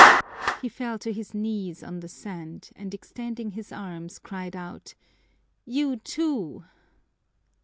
He fell to his knees on the sand and extending his arms cried out, "You, too!"